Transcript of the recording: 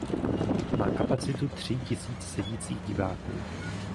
Má kapacitu tří tisíc sedících diváků.